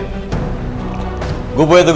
aku mau pergi